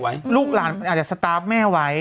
ไม่ลูกลานอาจจะสตาร์ฟแม่ไว้